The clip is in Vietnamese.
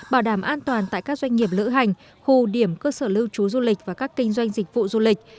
bảo đảm an toàn tại các doanh nghiệp lữ hành khu điểm cơ sở lưu trú du lịch và các kinh doanh dịch vụ du lịch